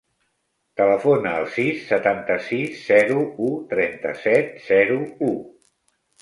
Telefona al sis, setanta-sis, zero, u, trenta-set, zero, u.